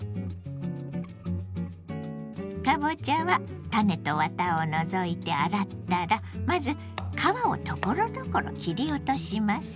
かぼちゃは種とワタを除いて洗ったらまず皮をところどころ切り落とします。